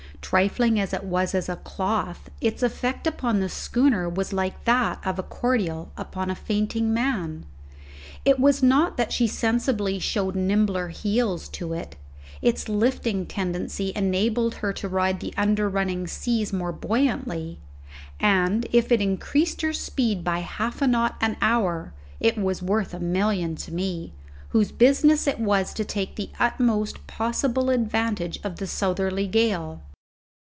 Trifling as it was as a cloth, its effect upon the schooner was like that of a cordial upon a fainting man. It was not that she sensibly showed nimbler heels to it; its lifting tendency enabled her to ride the under running seas more buoyantly, and if it increased her speed by half a knot an hour it was worth a million to me, whose business it was to take the utmost possible advantage of the southerly gale.